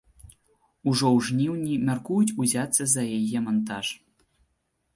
Ужо ў жніўні мяркуюць узяцца за яе мантаж.